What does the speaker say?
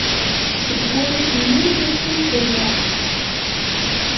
Seg wurrif-nni i rfan fell-aɣ.